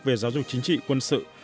về giáo dục chính trị quân sự